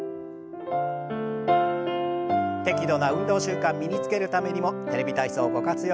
適度な運動習慣身につけるためにも「テレビ体操」ご活用ください。